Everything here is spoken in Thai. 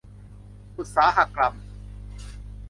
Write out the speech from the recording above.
อุตสาหกรรม